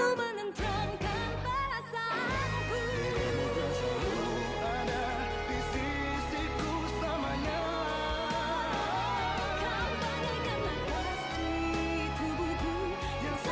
kau mengekalkan laki laki tubuhku